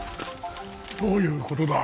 どういうことだ。